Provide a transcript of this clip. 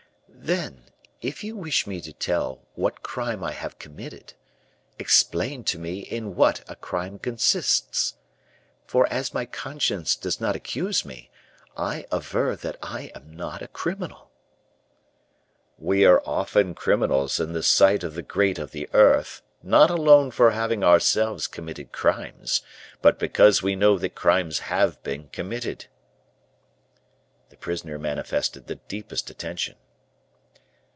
"Then if you wish me to tell what crime I have committed, explain to me in what a crime consists. For as my conscience does not accuse me, I aver that I am not a criminal." "We are often criminals in the sight of the great of the earth, not alone for having ourselves committed crimes, but because we know that crimes have been committed." The prisoner manifested the deepest attention.